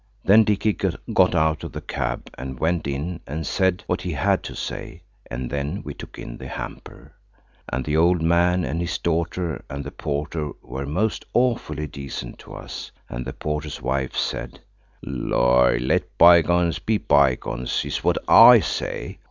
Then Dicky got out of the cab and went in and said what he had to say. And then we took in the hamper. And the old man and his daughter and the porter were most awfully decent to us, and the porter's wife said, "Lor! let bygones be bygones is what I say!